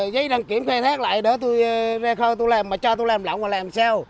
giấy đăng kiểm khai thác lại đó tôi ra khơi làm mà cho tôi làm lộng mà làm sao